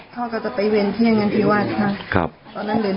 น้องชายจะไปเวียนเทียนที่วันนั้นและไซส์ของร้อนไม้น้อย